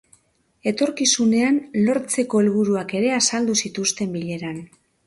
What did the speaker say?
Etorkizunean lortzeko helburuak ere azaldu zituzten bileran.